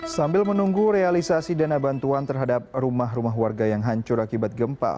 sambil menunggu realisasi dana bantuan terhadap rumah rumah warga yang hancur akibat gempa